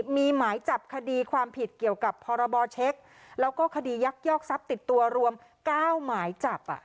มีหมายจับคดีความผิดเกี่ยวกับพรบเช็คแล้วก็คดียักยอกทรัพย์ติดตัวรวม๙หมายจับ